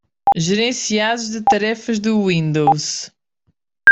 Gerenciados de tarefas do Windows.